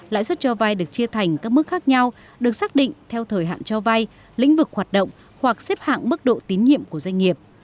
lãi suất cho vay được chia thành các mức khác nhau được xác định theo thời hạn cho vay lĩnh vực hoạt động hoặc xếp hạng mức độ tín nhiệm của doanh nghiệp